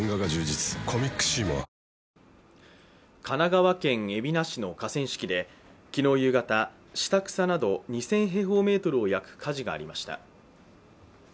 神奈川県海老名市の河川敷で昨日夕方、下草など２０００平方メートルを焼く火事がありました。